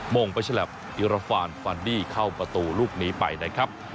มงประชาลัพธ์อิรฟานฟันดี้เข้าประตูลูกหนีไปนะครับ